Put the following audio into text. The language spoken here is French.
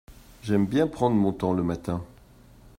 J'aime bien prendre mon temps le matin.